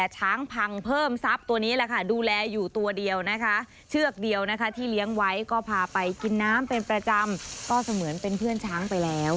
เชือกเดียวนะคะที่เลี้ยงไว้ก็พาไปกินน้ำเป็นประจำก็จะเหมือนเป็นเพื่อนช้างไปแล้ว